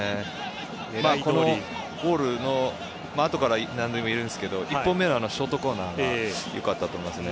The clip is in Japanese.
このゴールのあとなので言えるんですけど１本目のショートコーナーが良かったと思います。